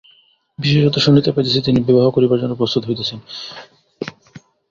বিশেষত শুনিতে পাইতেছি, তিনি বিবাহ করিবার জন্য প্রস্তুত হইতেছেন।